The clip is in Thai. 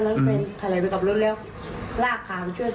นี่ไหมคะเธอน้องเฟนขายไปกับรุ่นเร็วลากขามช่วยเฟนอ่ะค่ะ